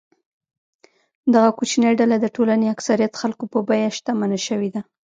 دغه کوچنۍ ډله د ټولنې اکثریت خلکو په بیه شتمنه شوې ده.